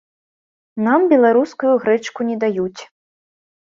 Нам беларускую грэчку не даюць.